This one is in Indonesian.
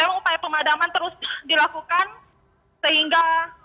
dan memang upaya pemadaman terus dilakukan sehingga